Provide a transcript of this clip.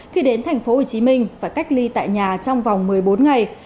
khi đến tp hcm và cách ly tại nhà trong vòng một mươi bốn ngày